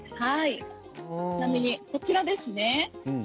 ちなみにこちらですね。